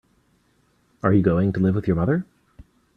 Are you going to live with your mother?